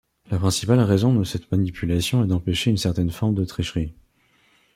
La principale raison de cette manipulation est d'empêcher une certaine forme de tricherie.